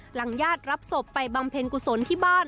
ญาติรับศพไปบำเพ็ญกุศลที่บ้าน